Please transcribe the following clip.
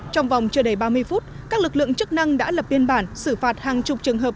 trong vòng chưa đầy ba mươi phút các lực lượng chức năng đã lập biên bản xử phạt hàng chục trường hợp